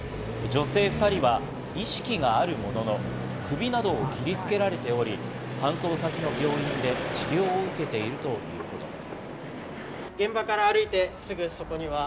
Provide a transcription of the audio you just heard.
女性２人は意識があるものの、首などを切りつけられており、搬送先の病院で治療を受けているということです。